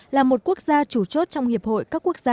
là một quốc gia chủ chốt trong hiệp hội các quốc gia